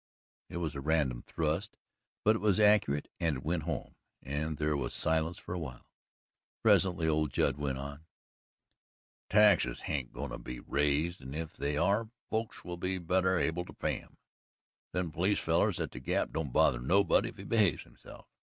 It was a random thrust, but it was accurate and it went home, and there was silence for a while. Presently old Judd went on: "Taxes hain't goin' to be raised, and if they are, folks will be better able to pay 'em. Them police fellers at the Gap don't bother nobody if he behaves himself.